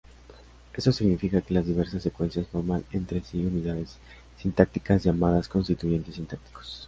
Eso significa que las diversas secuencias forman entre sí unidades sintácticas llamadas constituyentes sintácticos.